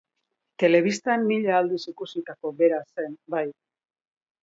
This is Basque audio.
Telebistan mila aldiz ikusitako bera zen, bai.